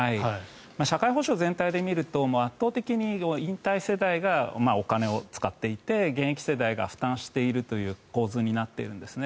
社会保険全体で見ると圧倒的に引退世代がお金を使っていて現役世代が負担しているという構図になっているんですね。